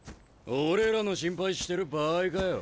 俺らの心配してる場合かよ。